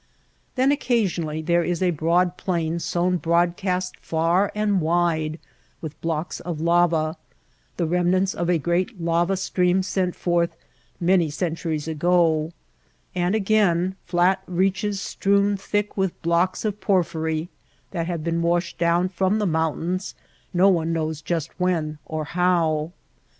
Then occasionally there is a broad plain sown broadcast far and wide with blocks of lava — the remnants of a great lava stream sent forth many centuries ago ; and again flat reaches strewn thick with blocks of porphyry that have been washed down from the mountains no one knows just when or how.